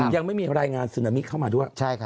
ยังไม่มีรายงานซึนามิเข้ามาด้วย